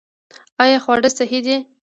آیا خواړه صحي دي؟